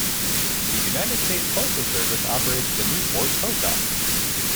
The United States Postal Service operates the Newport Post Office.